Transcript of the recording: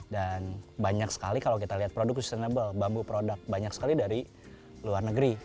dan banyak sekali kalau kita lihat produk sustainable bambu produk banyak sekali dari luar negeri